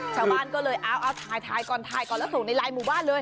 ชาวบ้านก็เลยเอาถ่ายก่อนถ่ายก่อนแล้วส่งในลายหมู่บ้านเลย